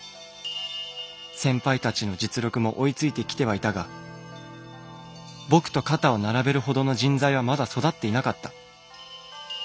先輩達の実力も追いついて来てはいたが僕と肩を並べるほどの人材はまだ育っていなかった。